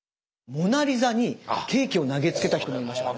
「モナ・リザ」にケーキを投げつけた人もいましたもんね。